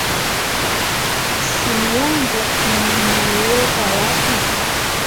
Simu yangu nnnaiweka wapi?